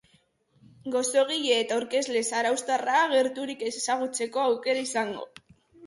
Gozogile eta aurkezle zarauztarra gertutik ezagutzeko aukera izango dugu.